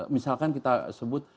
misalkan kita sebut